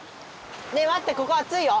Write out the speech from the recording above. ねえまってここあついよ！